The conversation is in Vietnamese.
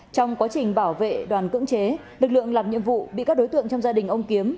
trong quá trình bảo vệ đoàn cưỡng chế lực lượng làm nhiệm vụ bị các đối tượng trong gia đình ông kiếm